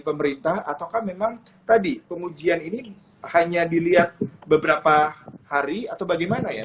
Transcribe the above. pemerintah ataukah memang tadi pengujian ini hanya dilihat beberapa hari atau bagaimana ya